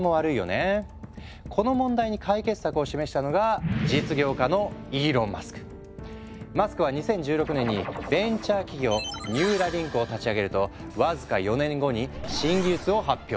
この問題に解決策を示したのがマスクは２０１６年にベンチャー企業ニューラリンクを立ち上げると僅か４年後に新技術を発表。